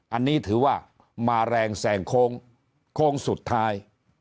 อันนี้ถือว่ามาแรงแสงโค้งโค้งสุดท้าย